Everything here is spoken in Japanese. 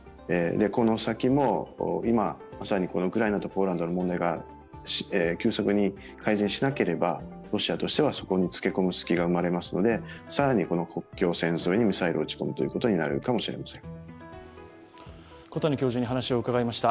この先も今、まさにウクライナとポーランドの問題が急速に改善しなければ、ロシアとしてはそこにつけ込む隙が生まれますので更に国境線沿いにミサイルを撃ち込むことになるかもしれません。